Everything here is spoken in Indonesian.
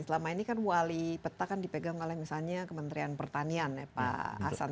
selama ini kan wali peta kan dipegang oleh misalnya kementerian pertanian ya pak hasan